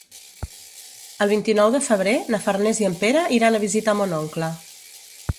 El vint-i-nou de febrer na Farners i en Pere iran a visitar mon oncle.